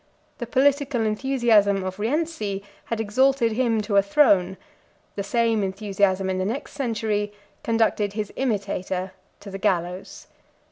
The political enthusiasm of Rienzi had exalted him to a throne; the same enthusiasm, in the next century, conducted his imitator to the gallows.